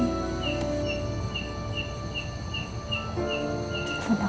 dan aku bersyukur makasih